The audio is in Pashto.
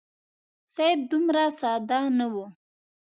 سید دومره ساده نه وو.